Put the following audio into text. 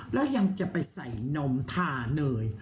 แล้วยังจะไปใส่นมทาเลย